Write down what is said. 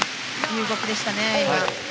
いい動きでしたね。